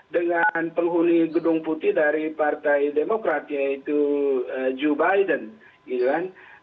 dengan penghuni gedung putih dari partai demokrat yaitu joe biden gitu kan